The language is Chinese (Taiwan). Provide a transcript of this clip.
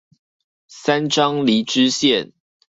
三張犁支線